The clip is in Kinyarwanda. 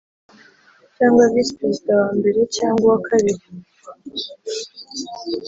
cyangwa Visi Perezida wa mbere cyangwa uwa kabiri